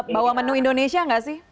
bawa menu indonesia nggak sih